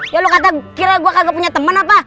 ya lu kata kira gua kagak punya temen apa